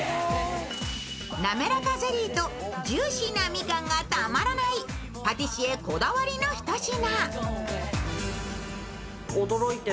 滑らかゼリーとジューシーなみかんがたまらないパティシエこだわりの一品。